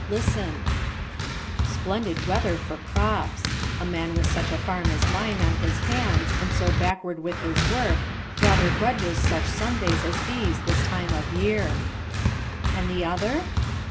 Listen: "Splendid weather for crops. A man with such a farm as mine on his hands, and so backward with his work, rather grudges such Sundays as these this time of year." And the other?